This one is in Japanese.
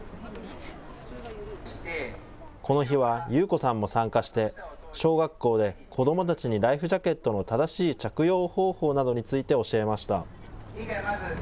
この日は優子さんも参加して、小学校で子どもたちにライフジャケットの正しい着用方法などについて教えました。